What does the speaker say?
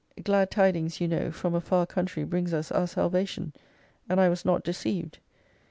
Glad tidings, you know from a far country brings us our salvation : and I was not deceived.